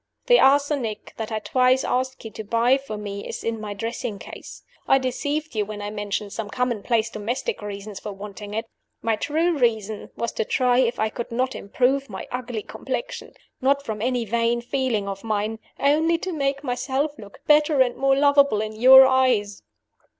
"The arsenic that I twice asked you to buy for me is in my dressing case. I deceived you when I mentioned some commonplace domestic reasons for wanting it. My true reason was to try if I could not improve my ugly complexion not from any vain feeling of mine: only to make myself look better and more lovable in your eyes.